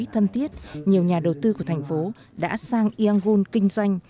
thân thiết nhiều nhà đầu tư của thành phố đã sang iangun kinh doanh